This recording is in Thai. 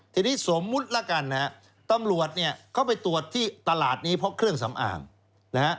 ทีนี้สมมุติแล้วกันนะฮะตำรวจเนี่ยเขาไปตรวจที่ตลาดนี้เพราะเครื่องสำอางนะฮะ